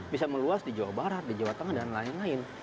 bisa meluas di jawa barat di jawa tengah dan lain lain